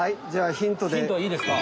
ヒントいいですか？